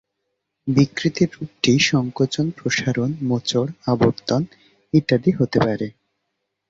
বিকৃতির রূপটি সংকোচন, প্রসারণ, মোচড়, আবর্তন ইত্যাদি হতে পারে।